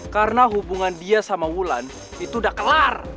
karena hubungan dia sama wulan itu udah kelar